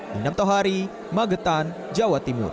dinamtohari magetan jawa tenggara